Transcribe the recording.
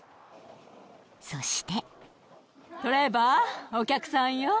［そして］